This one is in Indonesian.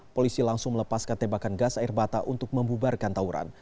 polisi langsung melepaskan tembakan gas air mata untuk membubarkan tawuran